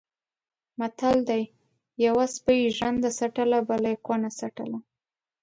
متل دی: یوه سپي ژرنده څټله بل یې کونه څټله.